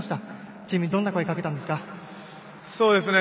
チームにどんな声をかけたんですか？